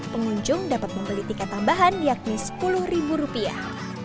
pengunjung dapat membeli tiket tambahan yakni sepuluh ribu rupiah